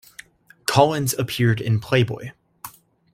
Collins appeared in "Playboy".